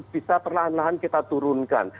bisa perlahan lahan kita turunkan